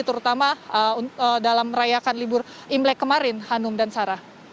terutama dalam merayakan libur imlek kemarin hanum dan sarah